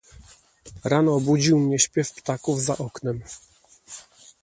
Rano obudził mnie śpiew ptaków za oknem.